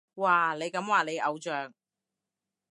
哇，你咁話你偶像？